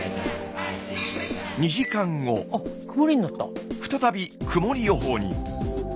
２時間後再び曇り予報に。